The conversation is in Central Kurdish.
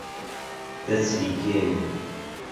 دەچریکێنن